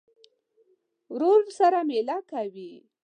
ورور سره مېله کوې.